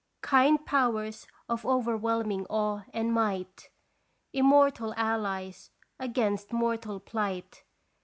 Kind Powers of overwhelming awe and might ! Immortal allies against mortal plight